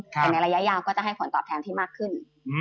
แต่ในระยะยาวก็จะให้ผลตอบแทนที่มากขึ้น